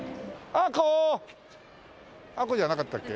アコじゃなかったっけ？